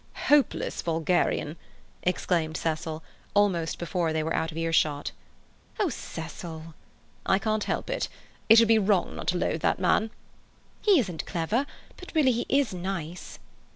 "Hopeless vulgarian!" exclaimed Cecil, almost before they were out of earshot. "Oh, Cecil!" "I can't help it. It would be wrong not to loathe that man." "He isn't clever, but really he is nice."